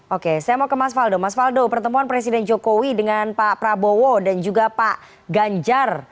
oke saya mau ke mas faldo mas faldo pertemuan presiden jokowi dengan pak prabowo dan juga pak ganjar